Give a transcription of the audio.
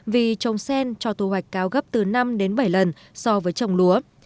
vì trồng sen cho thu hoạch cao gấp từ năm đến bảy lần so với trồng lúa